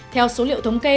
theo số liệu thống kê